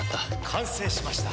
完成しました。